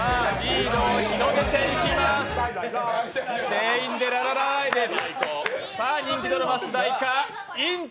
全員でララララーイです。